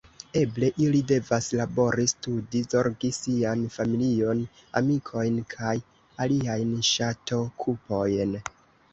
Eble ili devas labori, studi, zorgi sian familion, amikojn kaj aliajn ŝatokupojn.